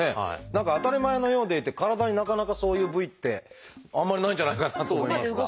何か当たり前のようでいて体になかなかそういう部位ってあんまりないんじゃないかなと思いますが。